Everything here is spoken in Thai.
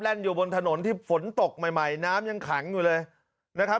อยู่บนถนนที่ฝนตกใหม่ใหม่น้ำยังขังอยู่เลยนะครับ